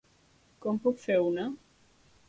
Com puc fer una??